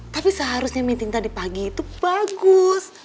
tapi seharusnya meeting tadi pagi itu bagus